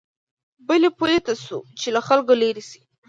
بلې پولې ته شو چې له خلکو لېرې شي.